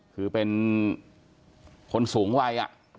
คือเป็นคนสูงวัย